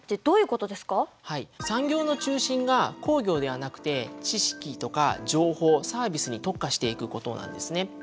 産業の中心が工業ではなくて知識とか情報サービスに特化していくことなんですね。